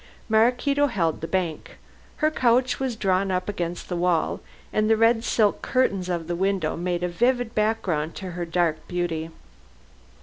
Maraquito held the bank. Her couch was drawn up against the wall, and the red silk curtains of the window made a vivid background to her dark beauty.